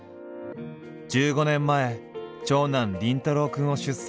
１５年前長男凛太郎くんを出産。